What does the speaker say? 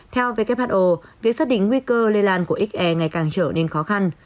theo who việc xác định nguy cơ lây lan của xr ngày càng trở nên khó khăn